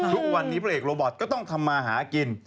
ทุกวันนี้พระเอกโรบอตก็ต้องทำมาหากิน